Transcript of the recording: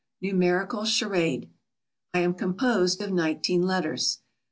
NUMERICAL CHARADE. I am composed of 19 letters.